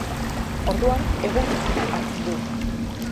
Orduan egur izena hartzen du.